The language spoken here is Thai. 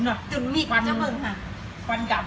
สถานที่สุดที่เสียงพวกตาลงกลับ